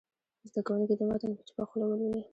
زده کوونکي دې متن په چوپه خوله ولولي.